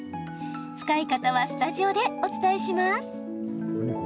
使い方はスタジオでお伝えします。